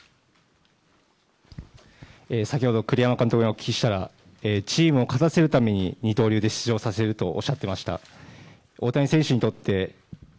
先ほど栗山監督にお聞きしたらチームを勝たせるために二刀流で出場させるとおっしゃっていました。